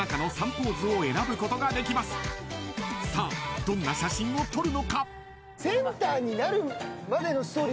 ［さあどんな写真を撮るのか］